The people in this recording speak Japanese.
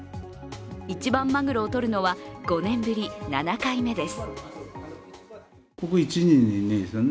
一番まぐろをとるのは５年ぶり７回目です。